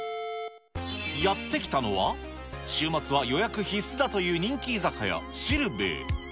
やって来たのは、週末は予約必須だという人気居酒屋、汁べゑ。